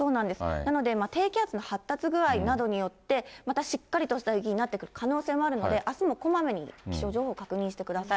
なので、低気圧の発達具合などによって、またしっかりとした雪になってくる可能性もあるので、あすもこまめに、気象情報を確認してください。